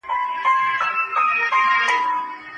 آيا د کتابتونونو شتون د فرهنګي غنا سبب ګرځي؟